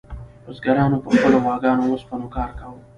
بزګرانو په خپلو غواګانو او اوسپنو کار کاوه.